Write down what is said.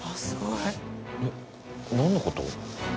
えっ何のこと？